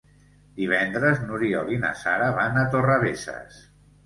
Divendres n'Oriol i na Sara van a Torrebesses.